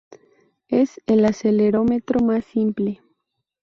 Es el acelerómetro más simple.